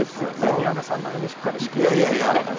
宮根さんのようにしっかり仕切ってくれる方が。